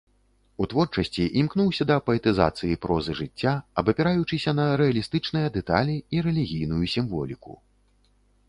У творчасці імкнуўся да паэтызацыі прозы жыцця, абапіраючыся на рэалістычныя дэталі і рэлігійную сімволіку.